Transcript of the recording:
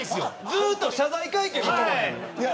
ずっと謝罪会見みたい。